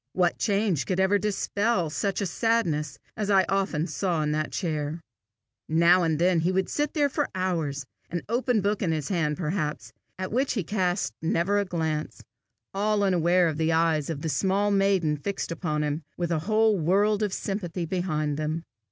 What change could ever dispel such a sadness as I often saw in that chair! Now and then he would sit there for hours, an open book in his hand perhaps, at which he cast never a glance, all unaware of the eyes of the small maiden fixed upon him, with a whole world of sympathy behind them.